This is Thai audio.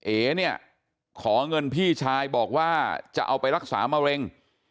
เอ๋เนี่ยขอเงินพี่ชายบอกว่าจะเอาไปรักษามะเร็ง